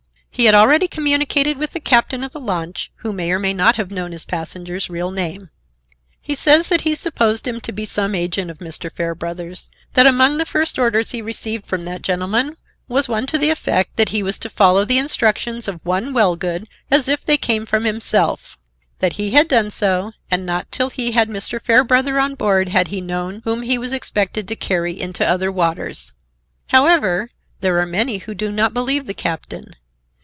He had already communicated with the captain of the launch, who may or may not have known his passenger's real name. He says that he supposed him to be some agent of Mr. Fairbrother's; that among the first orders he received from that gentleman was one to the effect that he was to follow the instructions of one Wellgood as if they came from himself; that he had done so, and not till he had Mr. Fairbrother on board had he known whom he was expected to carry into other waters. However, there are many who do not believe the captain.